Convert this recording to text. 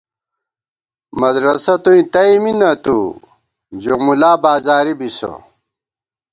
مدرَسہ توئیں تئ می نَتُؤ ، جو مُلا بازاری بِسہ